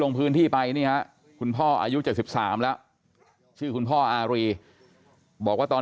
ลงพื้นที่ไปนี่ฮะคุณพ่ออายุ๗๓แล้วชื่อคุณพ่ออารีบอกว่าตอน